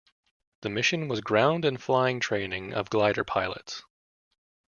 The mission was ground and flying training of glider pilots.